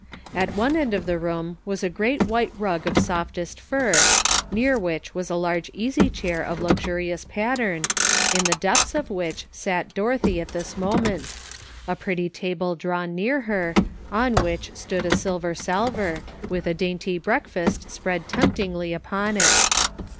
At one end of the room was a great white rug of softest fur, near which was a large easy chair of luxurious pattern, in the depths of which sat Dorothy at this moment, a pretty A LONG, WONBERFVL DAY. 213 table drawn near her, on which stood a silver salver, with a dainty breakfast spread tempt ingly upon it.